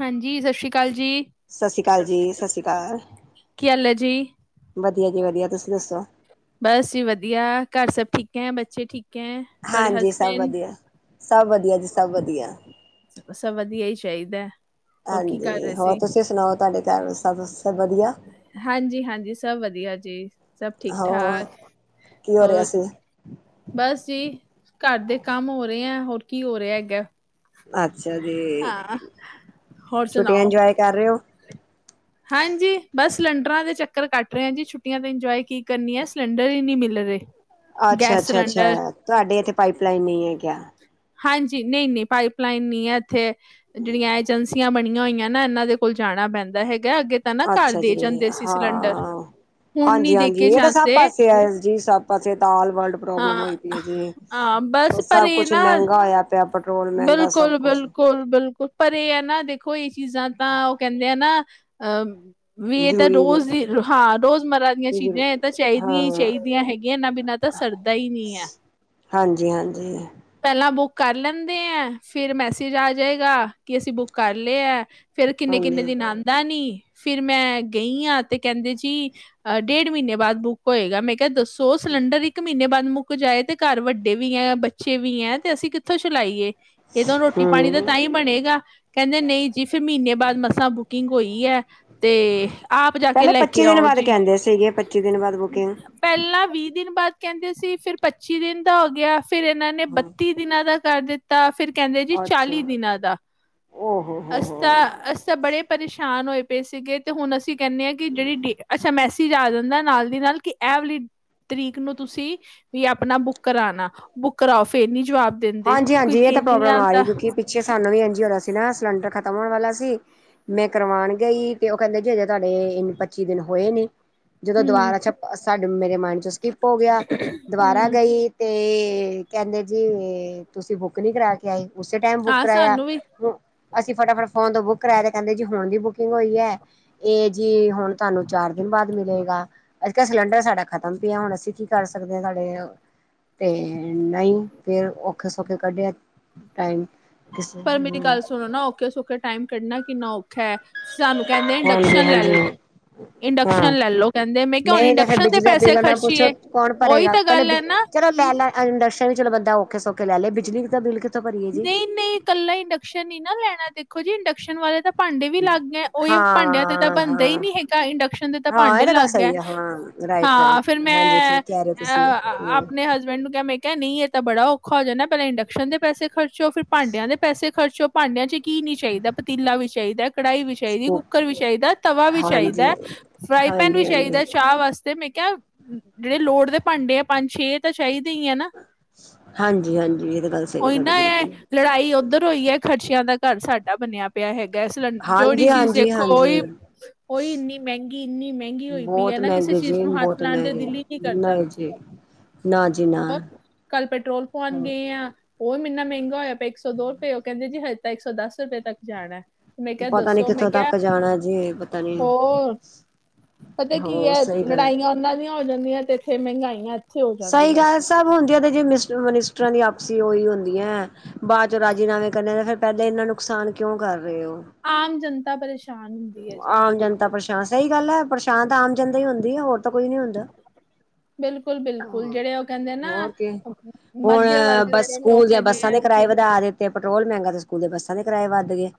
ਹਾਂਜੀ ਸਸ ਸ਼੍ਰੀ ਕਾਲ ਜੀ। ਸਏਸ ਸ਼੍ਰੀ ਕਾਲ ਜੀ ਸਸ ਸ਼੍ਰੀ ਕਾਲ ਕੀ ਹਾਲ ਹੈ ਜੀ? ਵਧੀਆ ਜੀ ਵਧੀਆ ਤੁਸੀਂ ਦੱਸੋ? ਬਸ ਵੀ ਵਧੀਆ ਘਰ ਸਭ ਠੀਕ ਐ ਬੱਚੇ ਠੀ ਹਾਂਜੀ ਸਭ ਵਧੀਆ ਸਭ ਵਧੀਆ ਜੀ ਸਭ ਵਧੀਆ। ਸਭ ਵਧੀਆ ਈ ਚਾਈਦੈ। ਹਾਂਜੀ ਹੋਰ ਤੁਸੀਂ ਸੁਣਾਓ ਤੁਹਾਡੇ ਘਰ ਸਭ ਸ ਵਧੀਆ। ਹਾਂਜੀ-ਹਾਂਜੀ ਸਭ ਵਧੀਆ ਜੀ ਸਭ ਹੋਰ ਠੀਕ-ਠਾਕ ਕੀ ਹੋ ਰਿਹਾ ਹੋਰ? ਸੀ ਬਸ ਜੀ ਘਰ ਦੇ ਕੰਮ ਹੋ ਰਿਐ ਹੋਰ ਕੀ ਹੋ ਰਿਐ ਗਾ। ਅੱਛਾ ਜੀ ਹੋਰ ਛੁੱਟੀਆਂ ਸੁਣਾਓ? ਇੰਜੋਏ ਕਰ ਰੇ ਓ? ਹਾਂਜੀ ਬਸ ਸਿਲੰਡਰਾਂ ਦੇ ਚੱਕਰ ਕੱਟ ਰਿਆ ਜੀ ਛੁੱਟੀਆਂ ਤੇ ਇੰਜੋਏ ਕੀ ਕਰਨੀ ਐ ਸਿਲੰਡਰ ਈ ਨੀ ਮਿਲ ਰੇ। ਅੱਛਾ-ਅੱਛਾ-ਅੱਛਾ ਤੁਹਾਡੇ ਇੱਥੇ ਪਾਈਪ ਲਾਈਨ ਨਈ ਹੈਗਿਆ। ਹਾਂਜੀ ਨਈ-ਨਈ ਪਾਈਪ ਲਾਈਨ ਨੀ ਐ ਇੱਥੇ। ਜੇੜੀਆਂ ਏਜੰਸੀਆਂ ਬਣੀਆਂ ਹੋਈਆਂ ਨਾ ਐਨਾਂ ਦੇ ਕੋਲ ਜਾਣਾ ਪੈਂਦਾ ਹੈਗਾ ਅੱਗੇ ਤਾਂ ਨਾ ਘਰ ਅੱਛਾ ਦੇ ਜੀ! ਜਾਂਦੇ ਸੀ ਸਿਲੰਡਰ ਹਾਂ ਹੁਣ ਨੀ ਹਾਂਜੀ, ਦੇ ਹਾਂਜੀ! ਕੇ ਇਹ ਤਾਂ ਸਭ ਜਾਂਦੇ ਪਾਸੇ ਹੈ ਜੀ ਸਭ ਪਾਸੇ ਤਾਂ ਆਲ ਵਰਲਡ ਪ੍ਰੋਬਲਮ ਹਾਂ ਹੋਈ ਪਈ ਹੈ ਜੀ, ਹਾਂ ਬਸ ਉਹ ਸਭ ਕੁਛ ਮਹਿੰਗਾ ਹੋਇਆ ਪਿਆ ਪੈਟਰੋਲ ਮਹਿੰਗਾ ਸਭ ਬਿਲਕੁਲ! ਕੁਛ ਬਿਲਕੁਲ! ਬਿਲਕੁਲ! ਪਰ ਇਹ ਹੈ ਨਾ ਦੇਖੋ ਇਹ ਚੀਜ਼ਾਂ ਤਾਂ ਉਹ ਕਹਿੰਦੇ ਆ ਨਾ ਅ? ਵੀ ਇਹ ਤਾਂ ਜ਼ਰੂਰੀ ਨੇ ਰੋਜ਼ ਦੀ ਹਾਂ ਰੋਜ਼ਮਰ ਦੀਆਂ ਜ਼ਰੂ ਚੀਜ਼ਾਂ ਇਹ ਤਾਂ ਚਾਹੀਦੀਆਂ ਹੀ ਹਾਂ ਚਾਹੀਦੀਆਂ ਹੈਗੀਆਂ ਨਾ ਬਿਨਾਂ ਤਾਂ ਸਰਦਾ ਹੀ ਨਹੀਂ ਆ। ਹਾਂਜੀ-ਹਾਂਜੀ। ਪਹਿਲਾਂ ਬੁੱਕ ਕਰ ਲੈਂਦੇ ਐ, ਫਿਰ ਮੈਸੇਜ ਆ ਜਾਏਗਾ ਕਿ ਅਸੀਂ ਬੁੱਕ ਕਰ ਲਏ ਐ। ਫੇਰ ਕਿੰਨੇ-ਕਿੰਨੇ ਹਾਂਜੀ ਦਿਨ ਆਉਂਦਾ ਨੀ। ਫਿਰ ਮੈਂ ਗਈ ਆ ਤੇ ਕਹਿੰਦੇ ਜੀ ਅਹ ਡੇਢ ਮਹੀਨੇ ਬਾਅਦ ਬੁੱਕ ਹੋਏਗਾ ਮੈਂ ਕਿਹਾ ਦੱਸੋ? ਸੋ ਸਿਲੰਡਰ ਇੱਕ ਮਹੀਨੇ ਬਾਅਦ ਮੁੱਕ ਜਾਏ ਅਤੇ ਘਰ ਵੱਡੇ ਵੀ ਹੈ ਬੱਚੇ ਵੀ ਹੈ ਅਤੇ ਅਸੀਂ ਕਿੱਥੋਂ ਚਲਾਈਏ? ਇਹ ਤਾਂ ਰੋਟੀ ਪਾਣੀ ਦਾ ਹਮ ਤਾਂ ਹੀ ਬਣੇਗਾ। ਕਹਿੰਦੇ ਨਹੀਂ ਜੀ ਫਿਰ ਮਹੀਨੇ ਬਾਅਦ ਮਸਾਂ ਬੁਕਿੰਗ ਹੋਈ ਹੈ, ਤੇ ਆਪ ਜਾ ਕੇ ਪਹਿਲੇ ਲੈ ਕੇ ਪੱਚੀ ਦਿਨ ਆਓ ਬਾਅਦ ਜੀ। ਕਹਿੰਦੇ ਸੀਗੇ ਪੱਚੀ ਦਿਨ ਬਾਅਦ ਬੁਕਿੰਗ। ਪਹਿਲਾਂ ਵੀਹ ਦਿਨ ਬਾਅਦ ਕਹਿੰਦੇ ਸੀ, ਫਿਰ ਪੱਚੀ ਦਿਨ ਦਾ ਹੋ ਗਿਆ, ਫਿਰ ਇਹਨਾਂ ਨੇ ਹਾਂ ਬੱਤੀ ਦਿਨਾਂ ਦਾ ਕਰ ਦਿੱਤਾ, ਫਿਰ ਕਹਿੰਦੇ ਜੀ ਚਾਲੀ ਅੱਛਾ ਦਿਨਾਂ ਦਾ ਓ ਹੋ ਹੋ ਅਸਤਾ ਹੋ ਅਸ ਤਾਂ ਬੜੇ- ਪਰੇਸ਼ਾਨ ਹੋਏ ਪਏ ਸੀਗੇ ਤੇ ਹੁਣ ਅਸੀਂ ਕਹਿੰਦੇ ਹਾਂ, ਕਿ ਜਿਹੜੀ ਡੇ ਅੱਛਾ ਮੈਸੇਜ ਆ ਜਾਂਦਾ ਨਾਲ ਦੀ ਨਾਲ ਕਿ, ਐਵਲੀ ਤਰੀਕ ਨੂੰ ਤੁਸੀਂ ਵੀ ਆਪਣਾ ਬੁੱਕ ਕਰਾਣਾ ਬੁੱਕ ਕਰਾਓ, ਫੇਰ ਨੀ ਜਵਾਬ ਦੇਿੰ ਹਾਂਜੀ-ਹਾਂਜੀ, ਇਹ ਤਾਂ ਪ੍ਰੋਬਲਮ ਆ ਰਹੀ ਕਿਉਂਕਿ ਪਿੱਛੇ ਸਾਨੂੰ ਵੀ ਇੰਜ ਹੀ ਆਉਦਾ ਸੀ ਨਾ ਸਿਲੰਡਰ ਖਤਮ ਹੋਣ ਵਾਲਾ ਸੀ ਮੈਂ ਕਰਵਾਉਣ ਗਈ ਤੇ ਉਹ ਕਹਿੰਦੇ ਜੇ ਹਜੇ ਤੁਹਾਡੇ ਇਨ ਪੱਚੀ ਦਿਨ ਹੋਏ ਨੀ। ਜਦੋਂ ਹਮ ਦੁਬਾਰਾ ਛਪ ਸਾਡੇ ਮੇਰੇ ਮਾਇੰਡ ਚੋ ਸਕਿਪ ਹੋ ਗਿਆ, ਦੁਬਾਰਾ ਹਮ ਗਈ ਤੇ, ਕਹਿੰਦੇ ਜੀ ਤੁਸੀਂ ਬੁੱਕ ਨੀ ਕਰਾ ਆਈ ਉਸੇ ਟਾਈਮ ਬੁੱਕ ਹਾਂ ਕਰਵਾਇਆ। ਸਾਨੂੰ ਵੀ ਅਸੀਂ ਫਟਾਫਟ ਫੋਨ ਤੋਂ ਬੁੱਕ ਕਰਾਇਆ ਤੇ ਕਹਿੰਦੇ ਜੀ ਹੋਣ ਦੀ ਬੁਕਿੰਗ ਹੋਈ ਐ। ਇਹ ਜੀ ਹੁਣ ਤੁਹਾਨੂੰ ਚਾਰ ਦਿਨ ਬਾਅਦ ਮਿਲੇਗਾ। ਅਸੀ ਕਿਹਾ ਸਿਲੰਡਰ ਸਾਡਾ ਖ਼ਤਮ ਪਿਆ, ਹੁਣ ਅਸੀਂ ਕੀ ਕਰ ਸਕਦੇ ਹਾਂ ਸਾਡੇ ਤੇ ਨਹੀਂ ਫਿਰ ਔਖੇ-ਸੌਖੇ ਕੱਢਿਆ ਟਾਈਮ। ਕਿਸੇ ਪਰ ਮੇਰੀ ਹੂੰ ਗੱਲ ਸੁਣੋ ਨਾ ਔਖੇ-ਸੌਖੇ ਟਾਈਮ ਕੱਢਣਾ ਕਿੰਨਾ ਔਖਾ ਐ? ਸਾਨੂੰ ਕਹਿੰਦੇ ਹਾਂਜੀ ਇੰਡਕਸ਼ਨ ਲੈ ਹਾਂਜੀ ਲਓ। ਹਾਂ ਇੰਡਕਸ਼ਨ ਲੈਲੋ ਕਹਿੰਦੇ, ਮੈਂ ਕਿਹਾ ਹੁਣ ਨਹੀਂ ਤਾਂ ਫਿਰ ਇੰਡਕਸ਼ਨ ਤੇ ਬਿਜਲੀ ਦਾ ਪੈਸੇ ਬਿੱਲ ਨਾ ਪੁੱਛੋ ਖਰਚੀਏ? ਕੌਣ ਉਹੀ ਭਰੇਗਾ ਤਾਂ ਪਹਿਲੇ ਗੱਲ ਐ ਬਿਜ ਨਾ। ਚਲੋ ਲੈ ਲੈਣ ਇੰਡਕਸ਼ਨ ਵੀ ਚਲੋ ਬੰਦਾ ਔਖੇ ਸੌਖੇ ਲੈ ਲਏ, ਬਿਜਲੀ ਦਾ ਬਿਲ ਕਿੱਥੋਂ ਭਰੀਏ ਜੀ ਨਹੀਂ-ਨਹੀਂ, ਇਕੱਲਾ ਇੰਡਕਸ਼ਨ ਨੀ ਨਾ ਲੈਣਾ, ਦੇਖੋ ਜੀ ਇੰਡਕਸ਼ਨ ਵਾਲੇ ਤਾਂ ਭਾਂਡੇ ਵੀ ਅਲੱਗ ਐ ਉਹੀ ਭਾਂਡਿਆਂ ਤੇ ਤਾਂ ਹਾਂ ਬਣਦਾ ਹੀ ਹਾਂ ਨਹੀਂ ਹੈਗਾ, ਇੰਡਕਸ਼ਨ ਦੇ ਤਾਂ ਹਾਂ ਭਾਂਡੇ ਇਹ ਗੱਲ ਅਲੱਗ ਐ। ਸਹੀ ਆ ਹਾਂ ਰਾਈਟ ਹਾਂ, ਰਾਈਟ ਫਿਰ ਹਾਂਜੀ ਮੈਂ ਠੀਕ ਕਹਿ ਰਹੇ ਹੋ ਅ ਤੁਸੀਂ ਹੂੰ ਆਪਣੇ ਹਸਬੈਂਡ ਨੂੰ ਕਿਹਾ ਮੈਂ ਕਿਹਾ ਨਹੀਂ ਇਹ ਤਾਂ ਬੜਾ ਔਖਾ ਹੋ ਜਾਣਾ, ਪਹਿਲਾਂ ਇੰਡਕਸ਼ਨ ਦੇ ਪੈਸੇ ਖਰਚੋ, ਫਿਰ ਭਾਂਡਿਆਂ ਦੇ ਪੈਸੇ ਖਰਚੋ, ਭਾਂਡਿਆਂ ਚ ਕੀ ਨਹੀਂ ਚਾਹੀਦਾ? ਪਤੀਲਾ ਵੀ ਚਾਹੀਦਾ, ਕੜਾਹੀ ਵੀ ਚਾਹੀਦੀ, ਸਕੂਪ ਕੁੱਕਰ ਵੀ ਚਾਹੀਦਾ, ਤਵਾ ਵੀ ਚਾਹੀਦਾ ਹਾਂਜੀ ਫਰਾਈ ਪੈਨ ਵੀ ਹਾਂਜੀ ਹਾਂਜੀ ਚਾਹੀਦਾ ਚਾਹ ਵਾਸਤੇ, ਮੈਂ ਕਿਹਾ ਜਿਹੜੇ ਲੋੜ ਦੇ ਭਾਂਡੇ ਆ ਪੰਜ ਛੇ, ਏ ਤਾਂ ਚਾਹੀਦੇ ਹੀ ਐ ਨਾ? ਹਾਂਜੀ-ਹਾਂਜੀ, ਇਹ ਤਾਂ ਗੱਲ ਸਹੀ ਐ ਉਹੀ ਤੁਹਾਡੀ ਨਾ ਇਹ ਬਿਲਕੁਲ। ਲੜਾਈ ਉੱਧਰ ਹੋਈ ਐ, ਖਰਚਿਆਂ ਦਾ ਘਰ ਸਾਡਾ ਬਣਿਆ ਪਿਆ ਹੈਗਾ ਸਿਲੰ ਜੋਹੜੀ ਹਾਂਜੀ ਚੀਜ਼ ਹਾਂਜੀ ਦੇਖੋ ਉਹੀ ਹਾਂਜੀ ਉਹੀ ਇੰਨੀ ਮਹਿੰਗੀ, ਇੰਨੀ ਮਹਿੰਗੀ ਹੋਈ ਪਈ। ਉਹੀ ਆ ਬਹੁਤ ਨਾ ਕਿਸੇ ਮਹਿੰਗੇ ਚੀਜ਼ ਜੀ ਨੂੰ ਹੱਥ ਬਹੁਤ ਲਾਣ ਦਾ ਮਹਿੰਗੇ ਦਿਲ ਹੀ ਨਹੀਂ ਕਰਦਾ। [inaudible] ਨਾ ਜੀ ਨਾ ਕੱਲ ਪੈਟਰੋਲ ਪਵਾਣ ਗਏ ਆ ਉਹ ਵੀ ਇੰਨਾ ਮਹਿੰਗਾ ਹੋਇਆ ਪਿਆ, ਇੱਕ ਸੌ ਦੋ ਰੁਪਏ, ਉਹ ਕਹਿੰਦੇ ਜੀ ਹਜੇ ਤਾਂ ਇੱਕ ਸੌ ਦਸ ਰੁਪਏ ਤੱਕ ਜਾਣਾ। ਮੈਂ ਕਿਹਾ ਪਤਾ ਨੀ ਦੱਸੋ? ਮੈਂ ਕਿੱਥੋਂ ਕਿਹਾ ਤੱਕ ਜਾਣਾ ਜੀ ਪਤਾ ਨੀ ਹੋਰ ਪਤਾ ਕੀ ਹੋ ਐ ਸਹੀ ਗੱਲ ਹੈ ਲੜਾਈਆਂ ਉਹਨਾਂ ਦੀਆਂ ਹੋ ਜਾਂਦੀਆਂ ਤੇ ਇੱਥੇ ਮਹਿੰਗਾਈਆਂ ਇੱਥੇ ਹੋ ਸਈ ਜਾਂਦੀਆਂ ਗੱਲ ਸਭ ਹੁੰਦੀਆਂ ਤੇ ਜੇ ਮਿਸ ਮਨੀਸਟਰਾਂ ਦੀ ਆਪਸੀ ਉਹੀ ਹੁੰਦੀਆਂ। ਬਾਅਦ ਚੋਂ ਰਾਜੀਨਾਮੇ ਕਰਨੇ, ਫਿਰ ਪਹਿਲਾਂ ਇੰਨਾ ਨੁਕਸਾਨ ਕਿਉਂ ਕਰ ਰਹੇ ਓ। ਆਮ ਜਨਤਾ ਪਰੇਸ਼ਾਨ। ਹੁੰਦੀ ਹੈ ਜੀ ਆਮ ਜਨਤਾ ਪਰੇਸ਼ਾਨ, ਸਹੀ ਗੱਲ ਐ ਪਰੇਸ਼ਾਨ ਤਾਂ ਆਮ ਜਨਤਾ ਈ ਹੁੰਦੀ ਐ ਹੋਰ ਤਾਂ ਕੋਈ ਨੀ ਹੁੰਦਾ। ਬਿਲਕੁਲ ਬਿਲਕੁਲ ਜਿਹੜੇ ਉਹ ਕਹਿੰਦੇ ਨਾ ਹੋਰ ਕੀ ਹੁਣ ਮਧਿਅਮ ਵਰਗ ਬਸ ਜਿਹੜੇ ਸਕੂਲ ਲੋਕ ਦੀਆਂ ਹੈਗੇ ਬੱਸਾਂ ਦੇ ਕਿਰਾਏ ਵਧਾ ਦਿੱਤੇ, ਪੈਟਰੋਲ ਮਹਿੰਗਾ ਤੇ ਸਕੂਲ ਦੇ ਬੱਸਾਂ ਦੇ ਕਿਰਾਏ ਵੱਧ ਗਏ।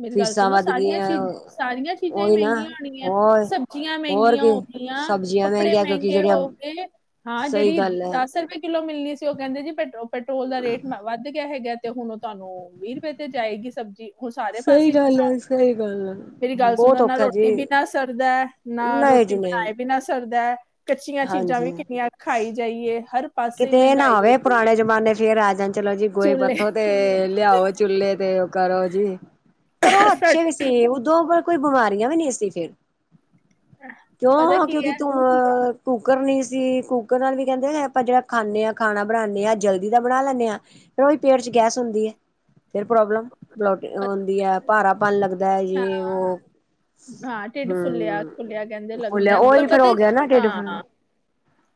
ਮੇਰੀ ਗੱਲ ਫੀਸਾਂ ਸੁਣੋ ਵੱਧ ਸਾਰੀਆਂ ਗਈਆਂ ਚੀਜ਼ ਸਾਰੀਆਂ ਚੀਜ਼ਾਂ ਹੀ ਉਹੀ ਨਾ ਮਹਿੰਗੀਆਂ ਹੋਣਗੀਆਂ, ਹੋਰ ਸਬਜ਼ੀਆਂ ਹੋਰ ਮਹਿੰਗੀਆਂ ਕੀ ਹੋ ਗਈਆਂ, ਸਬਜ਼ੀਆਂ ਕੱਪੜੇ ਮਹਿੰਗੀਆਂ ਕਿਉਂਕਿ ਮਹਿੰਗੇ ਜਿਹੜੀਆਂ ਹੋ ਗਏ। ਹਾਂ ਸਹੀ ਜਿਹੜੀ ਗੱਲ ਹੈ ਦਸ [unintelligible] ਰੁਪਏ ਕਿੱਲੋ ਮਿਲਣੀ ਸੀ, ਉਹ ਕਹਿੰਦੇ ਜੀ ਪੈਟਰੋਲ ਦਾ ਰੇਟ ਵੱਧ ਗਿਆ ਹੈਗਾ ਤੇ ਹੁਣ ਹੈਲੋ, ਵੀਹ ਰੁਪਏ ਤੇ ਜਾਏਗੀ ਸਬਜ਼ੀ, ਉਹ ਸਾਰੇ ਸਹੀ ਪਾਸੇ, ਗੱਲ ਹੈ ਸਹੀ ਗੱਲ ਹੈ ਮੇਰੀ ਗੱਲ ਸੁਣੋ ਬਹੁਤ ਨਾ ਔਖਾ ਰੋਟੀ ਜੀ ਬਿਨਾ ਸਰਦਾ ਨਾ ਨਹੀਂ ਰੋਟੀ ਜੀ ਨਹੀਂ ਬਣਾਏ ਬਿਨਾਂ ਸਰਦਾ। ਕੱਚੀਆਂ ਚੀਜ਼ਾਂ ਵੀ ਹਾਂਜੀ ਕਿੰਨੀਆਂ ਖਾਈ ਜਾਈਏ, ਹਰ ਪਾਸੇ ਕਿਤੇ ਇਹ ਨਾ ਮਹਿੰਗਾਈ ਹੋਈ ਹੋਵੇ ਪਈ ਐ। ਪੁਰਾਣੇ ਜਮਾਨੇ ਫੇਰ ਆ ਜਾਣ ਚਲੋ ਜੀ ਗੋਏ ਪੱਥੋਂ ਤੇ ਲਿਆਓ ਚੁੱਲੇ ਤੇ ਉਹ ਕਰੋ ਜੀ ਪਰ ਉਹ ਸਾਡੇ- ਅੱਛੇ ਵੀ ਸੀ, ਉਦੋਂ ਪਰ ਕੋਈ ਬਿਮਾਰੀਆਂ ਵੀ ਨਹੀਂ ਸੀ ਫਿਰ। ਪਤਾ ਕਿਉਂ ਕੀ ਕਿਉਂਕਿ ਹੈ ਧੂੰ ਕੁੂਕਰ ਨਹੀਂ ਸੀ, ਕੁੂਕਰ ਨਾਲ ਵੀ ਕਹਿੰਦੇ ਆਪਾਂ ਜਿਹੜਾ ਖਾਂਦੇ ਹਾਂ, ਖਾਣਾ ਬਣਾਣੇ ਆ ਜਲਦੀ ਤਾ ਬਣਾ ਲੈਂਣੇ ਆ। ਫਿਰ ਉਹੀ ਪੇਟ ਚ ਗੈਸ ਹੁੰਦੀ ਐ ਫਿਰ ਪ੍ਰੋਬਲਮ ਬਲੋ ਓ ਪਤ- ਹੁੰਦੀ ਐ। ਭਾਰਾ ਪਨ ਲੱਗਦਾ ਐ ਜੇ ਹਾਂ ਵੋ। ਹਾਂ ਢਿੱਡ ਫੁੱਲਿਆ ਫੁੱਲਿਆ ਕਹਿੰਦੇ ਫੁੱਲਿਆ ਲੱਗਦਾ, ਪਰ ਉਹੀ ਫੇਰ ਪਤਾ ਹੋ ਗਿਆ ਨਾ ਢਿੱਡ ਫੁੱਲ। ਹਾਂ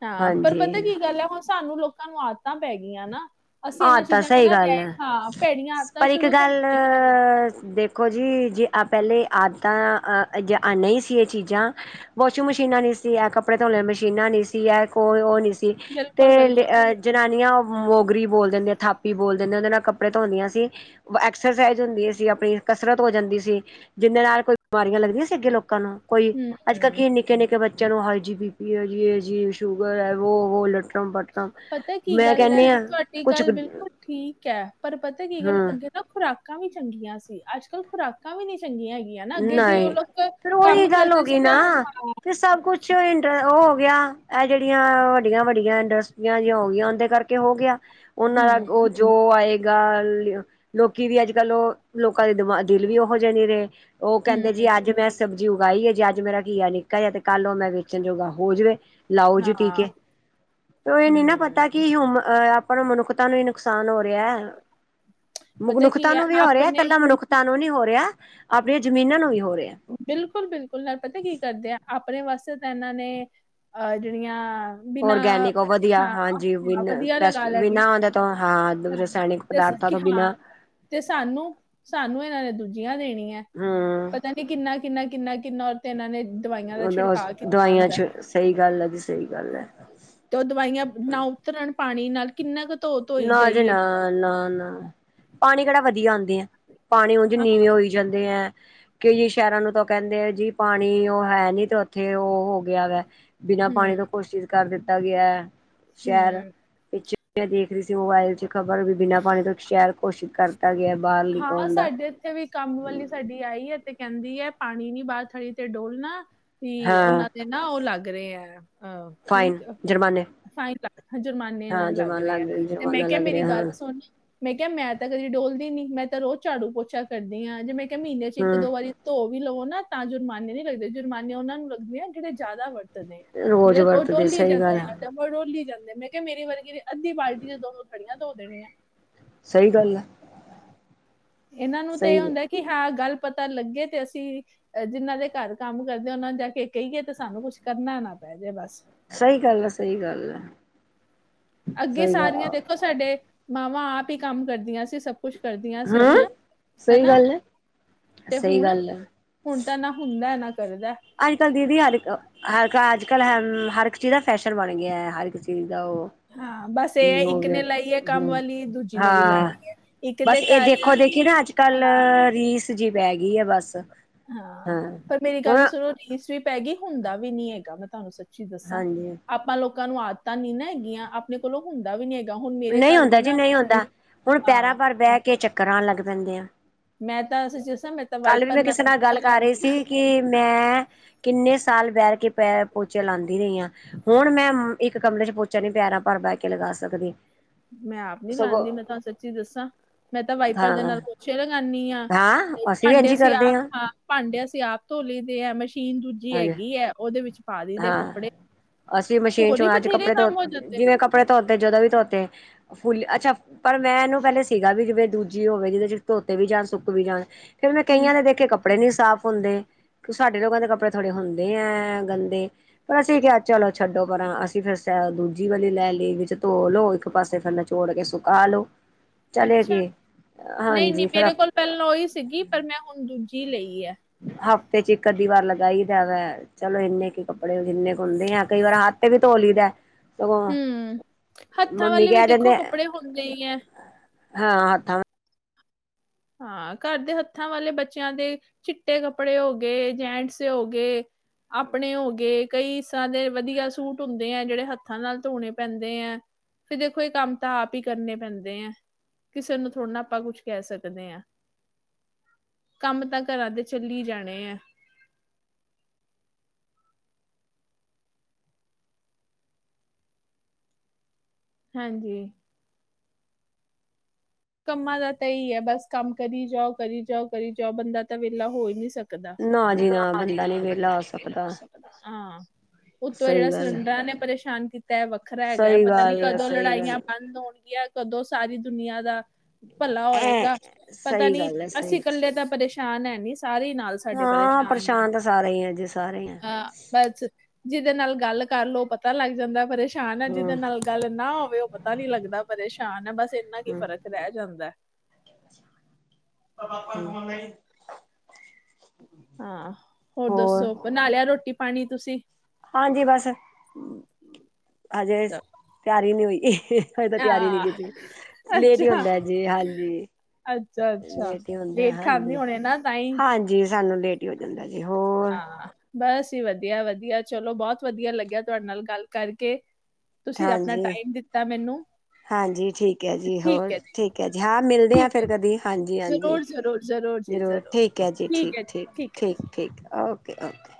ਹਾਂ ਪਰ ਪਤਾ ਹਾਂਜੀ ਕੀ ਗੱਲ ਐ, ਹੁਣ ਸਾਨੂੰ ਲੋਕਾਂ ਨੂੰ ਆਦਤਾਂ ਪੈ ਗਈਆਂ ਨਾ। ਅਸੀਂ ਆਹ ਇਹਨਾਂ ਤਾਂ ਚੀਜ਼ਾਂ ਸਹੀ ਬਿਨਾਂ ਰਹਿ ਗੱਲ ਹੈ ਹਾਂ, ਭੈੜੀਆਂ ਆਦਤਾਂ ਸ਼ੁਰੂ ਤੋਂ ਪਈਆਂ ਹੋਈਆਂ ਨੇ। [unintelligible] ਦੇ ਦੇਖੋ ਜੀ ਜੇ ਆ ਪਹਿਲੇ ਆਦਤਾਂ ਜੇ ਨਹੀਂ ਸੀ ਇਹ ਚੀਜ਼ਾਂ ਵਾਸ਼ਿੰਗ ਮਸ਼ੀਨਾਂ ਨੀ ਸੀ ਐ, ਕੱਪੜੇ ਧੋਣ ਵਾਲੀਆਂ ਮਸ਼ੀਨਾਂ ਨੀ ਸੀ ਐ ਓ ਉਹ ਨਹੀਂ ਸੀ ਤੇ ਬਿਲਕੁਲ ਬਿਲਕੁਲ ਜਨਾਨੀਆਂ ਮੋਗਰੀ ਬੋਲ ਦਿੰਦੇ ਥਾਪੀ ਬੋਲ ਦਿੰਦੇ ਉਹਦੇ ਨਾਲ ਕੱਪੜੇ ਧੋਂਂਦੀਆਂ ਸੀ। ਐਕਸਰਸਾਈਜ਼ ਹੁੰਦੀ ਸੀ, ਆਪਣੀ ਕਸਰਤ ਹੋ ਜਾਂਦੀ ਸੀ, ਜਿਹਦੇ ਨਾਲ ਕੋਈ ਬਿਮਾਰੀਆਂ ਲੱਗਦੀਆਂ ਸੀਗੇ ਲੋਕਾਂ ਨੂੰ ਕੋਈ ਹਮ ਅੱਜ ਕੱਲ੍ਹ ਕੀ ਹਮ। ਇੰਨੀ ਨਿੱਕੇ ਨਿੱਕੇ ਬੱਚਿਆਂ ਨੂੰ ਹਾਈ ਜੀ ਬੀ ਪੀ ਐ ਜੀ ਜੀ ਸ਼ੂਗਰ ਹੈ ਵੋ ਵੋ ਲੱਟਰਮ ਪੱਟਰਮ ਮੈਂ ਕੇਹ ਨੀ ਆ ਇਹ ਗੱਲ ਬਿਲਕੁਲ ਠੀਕ ਐ ਪਰ ਪਤਾ ਕੀ ਗੱਲ ਹਮ ਅੱਗੇ ਖੁਰਾਕਾਂ ਵੀ ਚੰਗੀਆਂ ਸੀ ਅੱਜ ਕੱਲ੍ਹ ਖੁਰਾਕਾਂ ਵੀ ਨਹੀਂ ਚੰਗੀਆਂ ਹੈਗੀਆਂ ਹੈ ਨਾ ਅੱਗੇ ਜ ਨਹੀਂ ਉਹ ਲੋਕ ਕੰਮ ਕਰਦੇ ਸੀ ਨਾ ਹੇਲੋ ਤੇ ਸਭ ਕੁੱਛ ਕੁਛ ਐ ਗਿਆ ਇਹ ਜੇੜਿਆਂ ਵੱਡੀਆਂ ਵੱਡੀਆਂ ਇੰਡਸਟਰੀਆਂ ਜੀਆ ਹੋਗੀਆਂ ਉਹਦੇ ਕਰਕੇ ਹੋ ਗਿਆ ਉਹਨਾਂ ਦਾ ਹਮ ਉਹ ਜੋ ਆਏਗਾ ਲੋਕੀ ਵੀ ਅੱਜ ਕੱਲ ਉਹ ਲੋਕਾਂ ਦੇ ਦਿਮਾਗ ਦਿਲ ਵੀ ਉਹੋ ਜਿਹੇ ਨਹੀਂ ਰਹੇ ਉਹ ਕਹਿੰਦੇ ਜੀ ਹਮ ਅੱਜ ਮੈਂ ਸਬਜ਼ੀ ਉਗਾਈਏ ਜੇ ਅੱਜ ਮੇਰਾ ਘੀਆ ਨਿਕਾ ਜਿਆ ਤੇ ਕੱਲ ਉਹ ਮੈਂ ਵੇਚਣ ਜੋਗਾ ਹੋ ਜਾਵੇ ਲਾਓ ਜੀ ਟਿਕੇ ਹਾਂ ਇਹ ਨੀ ਨਾ ਹਮ ਪਤਾ ਕਿ ਹਮ ਮਨੁੱਖਤਾ ਨੂੰ ਵੀ ਨੁਕਸਾਨ ਹੋ ਰਿਹਾ ਪਤਾ ਕੀ ਮਨੁੱਖਤਾ ਨੂੰ ਵੀ ਹੋ ਰਿਹਾ ਹੈ ਆਪਣੇ ਇਕੱਲਾ ਮਨੁੱਖ ਤਾਂ ਨੂੰ ਨੀ ਹੋ ਰਿਹਾ ਆਪਣੀਆਂ ਜ਼ਮੀਨਾਂ ਨੂੰ ਵੀ ਹੋ ਰਿਹਾ ਬਿਲਕੁੱਲ-ਬਿਲਕੁੱਲ ਨਾਲ ਪਤਾ ਕੀ ਕਰਦੇ ਆ ਆਪਣੇ ਵਾਸਤੇ ਤਾਂ ਏਨਾਂ ਨੇ ਆ ਜੇੜੀਆਂ ਔਰਗੈਨਿਕ ਓ ਵਧੀਆ ਹਾਂਜੀ ਬਿਨ ਵਧੀਆ ਪੈਸਟ ਲਗਾ ਲੈਣੀਆਂ ਬਿਨਾਂ ਔਂਦਾ ਤਾਂ ਹਾਂ ਰਸਾਇਣਿਕ ਤੇ ਸ- ਪਦਾਰਥਾਂ ਕਿ ਤੋਂ ਹਾਂ ਬਿਨਾਂ ਤੇ ਸਾਨੂੰ-ਸਾਨੂੰ ਏਨਾਂ ਨੇ ਦੂਜੀਆਂ ਦੇਣੀਐ। ਹੂੰ। ਪਤਾ ਨੀ ਕਿੰਨਾ-ਕਿੰਨਾ-ਕਿੰਨਾ-ਕਿੰਨਾ ਔਏ ਤੇ ਇਨਾਂ ਨੇ ਦਵਾਈਆਂ ਦਾ ਓਦਾ ਛਿੜਕਾਅ ਕੀਤਾ ਦਵਾਈਆਂ ਹੁੰਦਾ ਚ ਸਈ ਗੱਲ ਐ ਜੀ ਸਈ ਗੱਲ ਐ। ਤੇ ਓ ਦਵਾਈਆਂ ਨਾ ਉਤਰਨ ਪਾਣੀ ਨਾਲ। ਕਿੰਨਾ ਕ ਧੋ ਧੋਈ ਨਾ ਜੀ ਜਾਈਏ ਨਾ-ਨਾ-ਨਾ ਪਾਣੀ ਕੇੜਾ ਵਧੀਆ ਆਂਦੇ ਐ ਪਾਣੀ ਉਂਜ ਹਾਂ, ਨੀਵੇਂ ਹੋਈ ਜਾਂਦੇ ਐ ਕਈ ਸ਼ੈਰਾਂ ਨੂੰ ਤਾਂ ਓ ਕੈਂਦੇ ਜੀ ਪਾਣੀ ਓ ਹੈਨੀ ਤੇ ਉੱਥੇ ਓ ਹੋ ਗਿਆ ਵੈ ਬਿਨਾਂ ਪਾਣੀ ਹੂੰ ਤੋਂ ਕੋਸ਼ਿਤ ਕਰ ਦਿੱਤਾ ਗਿਐ ਸ਼ੈਰ ਹੂੰ ਪਿਛੇ [unintelligible] ਤੇ ਮੋਬਾਇਲ ਚ ਖ਼ਬਰ ਵੀ ਬਿਨਾਂ ਪਾਣੀ ਤੋਂ ਇਕ ਸ਼ੈਰ ਘੋਸ਼ਿਤ ਕਰਤਾ ਗਿਆ ਬਾਰ ਹਾਂ ਸਾਡੇ ਏਥੇ ਵੀ ਕੰਮ ਵਾਲੀ ਸਾਡੀ ਆਈ ਐ ਤੇ ਕੈਂਦੀ ਐ ਪਾਣੀ ਨੀ ਬਾਰ ਥਡੀ ਤੇ ਡੋਲਣਾ ਵੀ ਹਾਂ ਓਨਾਂ ਦੇ ਨਾ ਓ ਲੱਗ ਰੇ ਐ ਅ ਫਾਈਨ ਜੁਰਮਾਨੇ। ਫਾਇਨ ਜੁਰਮਾਨੇ ਹਾਂ ਨਾਲ ਲੱਗ ਜੁਰਮਾਨਾ ਰਿਐ ਤੇ ਮੈਂ ਜੁਰਮਾਨਾ ਕਿਆ ਲੱਗ ਮੇਰੀ ਰਿਹਾ ਗੱਲ ਹਾਂ ਸੁਣ ਮੈਂ ਕਿਆ ਮੈਂ ਤਾਂ ਕਦੀ ਡੋਲਦੀ ਨੀ ਮੈਂ ਤਾਂ ਰੋਜ਼ ਝਾੜੂ-ਪੋਛਾ ਕਰਦੀ ਆ ਜੇ ਮੈਂ ਕਿਆ ਮੀਨੇ ਚ ਇੱਕ ਹੂੰ ਦੋ ਵਾਰੀ ਧੋ ਵੀ ਲਵੋ ਨਾ ਤਾਂ ਜੁਰਮਾਨੇ ਨੀ ਲੱਗਦੇ ਜੁਰਮਾਨੇ ਓਨਾ ਨੂੰ ਲੱਗਦੇ ਆਂ ਜੇੜੇ ਜਾਦਾ ਵ ਰਤਦੇ ਆ ਰੋਜ਼ ਜੇੜੇ ਓ ਵਰਤਦੇ ਡੋਲੀ ਸਹੀ ਗੱਲ ਜਾਂਦੇ ਆ ਡ ਓ ਡੋਲੀ ਜਾਂਦੇ ਮੈਂ ਕਿਆ ਮੇਰੀ ਵਰਗੀ ਨੇ ਅੱਧੀ ਬਾਲਟੀ ਵਿਚ ਦੋਨੋ ਥੜੀਆਂ ਧੋ ਦੇਣੇ ਐ। ਸਈ ਗੱਲ ਐ। ਏਨਾਂ ਨੂੰ ਤੇ ਏ ਸਹੀ ਹੁੰਦਾ ਕੀ ਹਾਂ ਗੱਲ ਪਤਾ ਲੱਗੇ ਤੇ ਅਸੀਂ ਜਿਨਾਂ ਦੇ ਘਰ ਕੰਮ ਕਰਦੇ ਉਨਾਂ ਨੂੰ ਜਾ ਕੇ ਕਈਏ ਤੇ ਸਾਨੂੰ ਕੁਛ ਕਰਨਾ ਨਾ ਪੈ ਜੇ ਬਸ। ਸਈ ਗੱਲ ਐ ਸਈ ਗੱਲ ਐ। ਅੱਗੇ ਸਾਰੀਆਂ ਦੇਖੋ ਸਾਡੀ ਮਾਵਾਂ ਆਪ ਈ ਕੰਮ ਕਰਦੀਆਂ ਸੀ ਸਭ ਕੁਛ। ਕਰਦੀਆਂ ਹੂੰ ਸੀਗੀਆਂ ਸਈ ਹਨਾ ਗੱਲ ਐ ਤੇ ਸਈ ਹੁਣ ਗੱਲ ਐ। ਹੁਣ ਤਾਂ ਨਾ ਹੁੰਦੈ ਨਾ ਕਰਦੈ। ਅੱਜ ਕੱਲ ਦੀਦੀ ਹਰ ਇਕ ਹਰ ਅੱਜ ਕੱਲ੍ਹ ਹਰ ਇੱਕ ਚੀਜ਼ ਦਾ ਫੈਸ਼ਨ ਬਣ ਗਿਐ ਹਰ ਇੱਕ ਚੀਜ਼ ਦਾ ਓ। ਹਾਂ ਬਸ [unintelligible] ਇਹ ਹੈ, ਇੱਕ ਨੇ ਲਾਈ ਹੈ ਕੰਮ ਹੂੰ ਵਾਲੀ ਦੂਜੀ ਨੇ ਵੀ ਹਾਂ ਲਾਣੀ ਹੈ ਇੱਕ ਬਸ ਦੇ ਏ ਘਰ ਦੇਖੋ ਦੇਖੀ ਨਾ ਅੱਜ ਕੱਲ ਹਾਂ ਰੀਸ ਜੀ ਪੈਗੀ ਐ ਬਸ। ਹਾਂ ਪਰ ਮੇਰੀ ਗੱਲ ਹੁਣ ਸੁਣੋ ਰੀਸ ਵੀ ਪੈਗੀ ਹੁੰਦਾ ਵੀ ਨੀ ਹੈਗਾ ਮੈਂ ਤੁਹਾਨੂੰ ਸਚੀ ਚੀ ਦੱਸਾਂ ਹਾਂਜੀ ਆਪਾਂ ਲੋਕਾਂ ਨੂੰ ਆਦਤਾਂ ਨੀ ਨਾ ਹੈਗੀਆਂ ਆਪਣੇ ਕੋਲੋਂ ਹੁੰਦਾ ਵੀ ਨੀ ਨਈ ਹੁੰਦਾ ਜੀ ਨਈ ਹੁੰਦਾ ਹੁਣ ਪੈਰਾਂ ਅਹ, ਭਰ ਬੈ ਕੇ ਚੱਕਰ ਆਣ ਲੱਗ ਪੈਂਦੇ ਆ। ਮੈਂ ਤਾਂ ਸੱਚੀ ਦੱਸਾਂ ਮੈਂ ਤਾਂ ਕੱਲ ਵੀ ਵਾਈਪਰ ਮੈਂ ਕਿਸੇ ਨਾਲ ਪੋਚੇ ਗੱਲ ਕਰ ਰੀ ਲਾਉਂਦੀ ਆ ਸੀ ਕੀ ਮੈਂ ਕਿੰਨੇ ਸਾਲ ਬੈਠ ਕੇ ਪੈ ਪੋਚਾ ਲਾਂਦੀ ਰਈ ਆ। ਹੁਣ ਮੈਂ ਇੱਕ ਕਮਰੇ ਚ ਪੋਚਾ ਨੀ ਪੈਰਾਂ ਭਰ ਬਹਿ ਕੇ ਲਗਾ ਸਕਦੀ। ਮੈਂ ਆਪ ਨੀ ਸਗੋਂ ਲਾਂਦੀ ਮੈਂ ਤਾਂਹ ਸੱਚੀ ਦੱਸਾਂ ਮੈਂ ਤਾਂ ਵਾਈਪਰ ਦੇ ਹਾਂ ਨਾਲ ਪੋਛੇ ਲਗਾਨੀ ਆ। ਹਾਂ ਵੀ ਇੰਝ ਭਾਂਡੇ ਈ ਅਸੀਂ ਕਰਦੇ ਆਪ ਹਾਂ ਭਾਂਡੇ ਅਸੀ ਆਪ ਧੋ ਲਈ ਦੇ ਐ ਮਸ਼ੀਨ ਦੂ ਜੀ ਹਾਂਜੀ ਹੈਗੀ ਐ ਓਦੇ ਵਿੱਚ ਪਾ ਦੀ ਦੇ ਹਾਂ ਕੱਪੜੇ ਅਸੀਂ ਮਸ਼ੀਨ ਹੋਰ ਚ ਈ ਹੁਣ ਅੱਜ ਬਥੇਰੇ ਕੱਪੜੇ ਧੋ ਕੰਮ ਹੋ ਜਾਂਦੇ। ਜਿਵੇਂ ਕੱਪੜੇ ਧੋਤੇ ਜਦੋਂ ਵੀ ਧੋਤੇ ਫੁੱਲ ਅੱਛਾ ਪਰ ਮੈਂਨੂੰ ਪੈਲੇ ਸੀਗਾ ਵੀ ਜਿਵੇਂ ਦੂਜੀ ਹੋਵੇ ਜਿਦੇ ਚ ਧੋਤੇ ਵੀ ਜਾਣ ਸੁੱਕ ਵੀ ਜਾਣ। ਫੇਰ ਮੈਂ ਹੂੰ ਕਈਆਂ ਦੇ ਦੇਖੇ ਕੱਪੜੇ ਨੀ ਸਾਫ਼ ਹੁੰਦੇ ਸਾਡੇ ਲੋਕਾਂ ਦੇ ਕੱਪੜੇ ਥੋੜੇ ਹੁੰਦੇ ਐਂ ਗੰਦੇ। ਪਰ ਅਸੀਂ ਕਿਐ ਚਲੋ ਛੱਡੋ ਪਰਾਂ ਅਸੀ ਫੇਰ ਸੈ ਦੂਜੀ ਵਲੀ ਲੈ ਲੀ। ਵਿੱਚ ਧੋ ਲੌ ਇੱਕ ਪਾਸੇ ਫੇਰ ਨ ਚੋੜ ਕੇ ਸੁਕਾ ਲੋ। ਅੱਛਾ, ਨਈ-ਨਈ ਹਾਂਜੀ ਫਿਰ ਮੇਰੇ ਕੋਲ ਪੈਲੋਂ ਓਈ ਸੀਗੀ ਪਰ ਮੈਂ ਹੁਨ ਦੂਜੀ ਲਈ ਐ। ਹਫ਼ਤੇ 'ਚ ਇੱਕ-ਅੱਧੀ ਵਾਰ ਲਗਾਈ ਦਾ ਵੈ ਚਲੋ ਇੰਨੇ ਕੀ ਕੱਪੜੇ ਜਿੰਨੇ ਕੁ ਹੁੰਦੇ ਆਂ ਕਈ ਵਰਾਂ ਹੱਥ ਤੇ ਵੀ ਧੋ ਲਈ ਦੈ। ਹੂੰ, ਹੱਥਾਂ ਮੰਮੀ ਵਾਲੇ ਵੀ ਕਹਿ ਦੇਖੋ ਦਿੰਦੇ ਕੱਪੜੇ ਹੁੰਦੇ ਈ ਐਂ। ਹਾਂ, ਹੱਥਾਂ ਹਾਂ, ਘਰ ਦੇ ਹੱਥਾਂ ਵਾਲੇ ਬੱਚਿਆਂ ਦੇ ਚਿੱਟੇ ਕੱਪੜੇ ਹੋ ਗੇ, ਜੈਂਟਸ ਦੇ ਹੋ ਗੇ ਆਪਣੇ ਹੋ ਗੇ, ਕਈ ਇਸਰਾਂ ਦੇ ਵਧੀਆ ਸੂਟ ਹੁੰਦੇ ਐ ਜੜੇ ਹੱਥਾਂ ਨਾਲ ਧੋਣੇ ਪੈਂਦੇ ਐਂ ਫਿਰ ਦੇਖੋ ਏ ਕੰਮ ਤਾਂ ਆਪ ਈ ਕਰਨੇ ਪੈਂਦੇ ਐਂ। ਕਿਸੇ ਨੂੰ ਥੋੜਾ ਨਾ ਆਪਾਂ ਕੁਛ ਕੈ ਸਕ ਨੇ ਆਂ। ਕੰਮ ਤਾਂ ਘਰਾਂ ਦੇ ਚੱਲੀ ਜਾਣੇ ਐ। ਹਾਂਜੀ। ਕੰਮਾਂ ਦਾ ਤੇ ਏ ਈ ਐ ਬਸ ਕੰਮ ਕਰੀ ਜਾਓ, ਕਰੀ ਜਾਓ, ਕਰੀ ਜਾਓ ਬੰਦਾ ਤਾ ਵੇਲਾ ਹੋ ਈ ਨੀ ਸਕਦਾ। ਨਾ ਜੀ ਨਾ, ਬੰਦਾ ਨੀ ਵੇਲਾ ਹੋ ਸਕਦਾ। ਹਾਂ, ਉਤੋਂ ਏਲਾਂ ਸਹੀ ਗੱਲ ਸਲੰਡਰਾਂ ਨੇ ਪਰੇਸ਼ਾਨ ਕੀ ਤੈ ਵੱਖਰਾ ਹੈਗੈ। ਸਹੀ ਪਤਾ ਨੀ ਗੱਲ ਹੈ ਕਦੋਂ ਸਹੀ ਲੜਾਈਆਂ ਗੱਲ ਬੰਦ ਹੋਨਗੀਆਂ, ਕਦੋਂ ਸਾਰੀ ਦੁਨੀਆਂ ਦਾ ਭਲਾ ਐ ਹੋਏਗਾ। ਪਤਾ ਸਹੀ ਨੀ ਗੱਲ ਹੈ ਸਹੀ ਅਸੀ ਕੱਲੇ ਤਾਂ ਪਰੇਸ਼ਾਨ ਹੈਨੀ, ਸਾਰੇ ਈ ਨਾਲ ਸਾਡੇ ਹਾਂ, ਪਰੇਸ਼ਾਨ ਆ ਪਰਸ਼ਾਨ ਤਾਂ ਸਾਰੇ ਈ ਐਂ, ਜੀ ਸਾਰੇ ਈ ਐਂ। ਹਾਂ ਬਸ ਜਿਦੇ ਨਾਲ ਗੱਲ ਕਰ ਲੋ ਪਤਾ ਲੱਗ ਜਾਂਦੈ ਪਰੇ ਸ਼ਾਨ ਐ, ਜਿਦੇ ਹਮ ਨਾਲ ਗੱਲ ਨਾ ਹੋਵੇ ਓ ਪਤਾ ਨੀ ਲੱਗਦਾ ਪਰੇਸ਼ਾਨ ਐ। ਬਸ ਏਨਾ ਕ ਈ ਹਮ ਫ਼ਰਕ ਰੈ ਜਾਂਦੈ। ਹੂੰ। ਅ ਪਾਪਾ ਨੂੰ ਫੋਨ ਲਈ। ਆਂ, ਹੋਰ ਦੱਸੋ ਬਨਾ ਲਿਆ ਰੋਟੀ ਪਾਨੀ ਤੁਸੀ? ਹਾਂਜੀ ਬਸ। ਹਜੇ ਤਿਆਰੀ ਨੀ ਹੋਈ। ਹਜੇ ਤਕ ਤਿਆਰੀ ਨੀ ਹਾਂ ਕੀਤੀ। ਲੇਟ ਈ ਅੱਛਾ ਹੁੰਦੈ ਜੀ, ਹਾਂਜੀ। ਅੱਛਾ ਅੱਛਾ ਲੇਟ ਖਾਂਦੇ ਹੋਣੇ ਨਾ ਤਾਂਹੀ ਹਾਂਜੀ ਸਾਨੂੰ ਲੇਟ ਈ ਹੂੰ ਜਾਂਦਾ ਜੀ, ਹੋਰ ਹਾਂ ਬਸ ਜੀ ਵਧੀਆ, ਵਧੀਆ ਚਲੋ ਬੋਤ ਵਧੀਆ ਲੱਗਿਆ ਤੁਆਡੇ ਨਾਲ ਗੱਲ ਕਰਕੇ। ਤੁਸੀ ਆਪਣਾ ਹਾਂਜੀ ਟਾਈਮ ਦਿੱਤਾ ਮੈਨੂੰ। ਹਾਂਜੀ ਠੀ ਕ ਐ ਜੀ। ਹੋਰ ਠੀਕ ਐ ਜੀ। ਹਾਂ ਮਿਲਦੇ ਆਂ ਠੀਕ ਫਿਰ ਹੈ ਕਦੀ। ਜੀ ਹਾਂਜੀ-ਹਾਂਜੀ ਜ਼ਰੂਰ ਜ਼ਰੂਰ ਜ਼ਰੂਰ ਜੀ ਜਰੂਰ, ਜ਼ਰੂਰ ਠੀਕ ਐ ਜੀ। ਠੀਕ ਹੈ ਜੀ ਠੀਕ-ਠੀਕ, ਠੀਕ ਹੈ ਠੀਕ-ਠੀਕ। ਓਕੇ-ਓਕੇ।